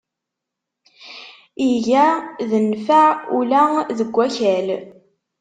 Iga d nnfeɛ ula deg akal.